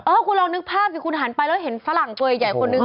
คุณลองนึกภาพสิคุณหันไปแล้วเห็นฝรั่งตัวใหญ่คนนึง